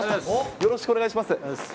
よろしくお願いします。